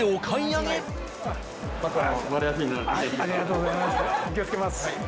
ありがとうございます。